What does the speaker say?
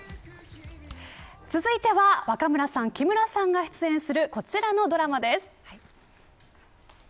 続いては若村さん木村さんが出演するこちらのドラマです。